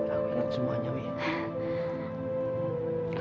aku ingat semuanya wih